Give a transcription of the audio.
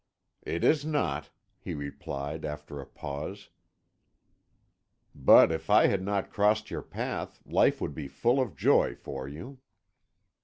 "It is not," he replied, after a pause, "but if I had not crossed your path, life would be full of joy for you."